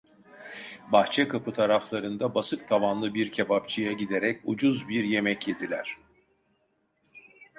Bahçekapı taraflarında basık tavanlı bir kebapçıya giderek ucuz bir yemek yediler.